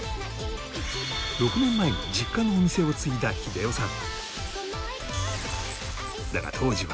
６年前に実家のお店を継いだ秀世さん。